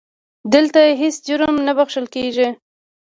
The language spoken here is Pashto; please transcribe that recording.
دلته هیڅ جرم نه بښل کېږي.